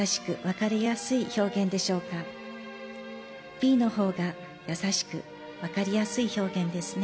Ｂの方がやさしく分かりやすい表現ですね。